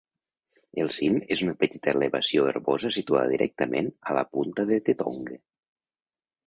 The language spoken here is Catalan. El cim és una petita elevació herbosa situada directament a la punta de The Tongue.